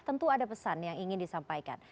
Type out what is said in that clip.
tentu ada pesan yang ingin disampaikan